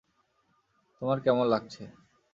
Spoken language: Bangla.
তোমার কেমন লাগছে?